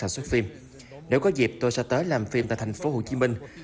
xuất phim nếu có dịp tôi sẽ tới làm phim tại thành phố hồ chí minh